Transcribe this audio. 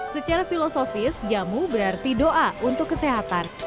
secara filosofis jamu berarti doa untuk kesehatan